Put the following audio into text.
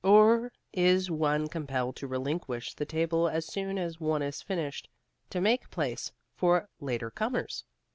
Or is one compelled to relinquish the table as soon as one is finished, to make place for later comers?